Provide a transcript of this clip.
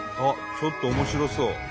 ちょっと面白そう！